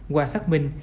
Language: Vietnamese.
qua xác minh